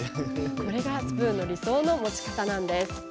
これがスプーンの理想の持ち方なんです。